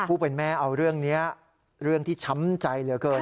ผู้เป็นแม่เอาเรื่องนี้เรื่องที่ช้ำใจเหลือเกิน